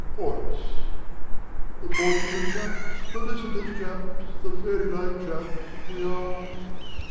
Chorus The fortunate chaps, felicitous chaps, The fairy like chaps we are.